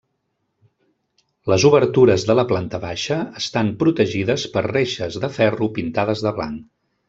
Les obertures de la planta baixa estan protegides per reixes de ferro pintades de blanc.